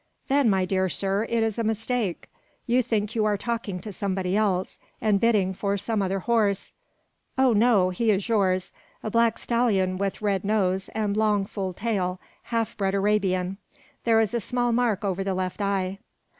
"Then, my dear sir, it is a mistake. You think you are talking to somebody else, and bidding for some other horse." "Oh, no! He is yours. A black stallion with red nose and long full tail, half bred Arabian. There is a small mark over the left eye."